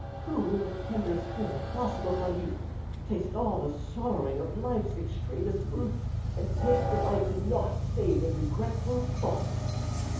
Who, in the tender spring And blossom of my youth, Taste all the sorrowing Of life's extremest ruth, And take delight in nought Save in regretful thought.